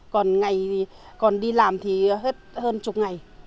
còn ngày thì còn đi làm thì hết hơn chục ngày